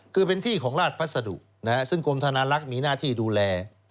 คือเป็นที่ของราชพัสดุซึ่งกรมธนาลักษณ์มีหน้าที่ดูแล